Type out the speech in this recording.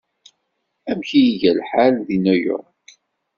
Amek ay iga lḥal deg New York?